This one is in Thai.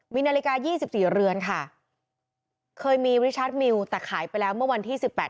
มีนาฬิกายี่สิบสี่เรือนค่ะเคยมีริชาร์จมิวแต่ขายไปแล้วเมื่อวันที่สิบแปด